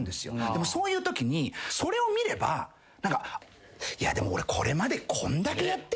でもそういうときにそれを見ればでも俺これまで。